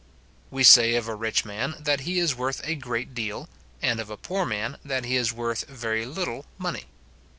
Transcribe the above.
We say of a rich man, that he is worth a great deal, and of a poor man, that he is worth very little money.